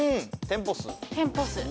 店舗数。